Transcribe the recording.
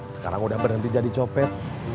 sekarang udah berhenti jadi copet